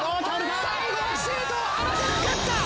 最後はシュートを放てなかった！